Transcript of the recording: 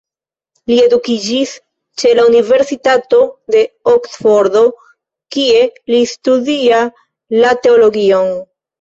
Li edukiĝis ĉe la universitato de Oksfordo, kie li studia la teologion.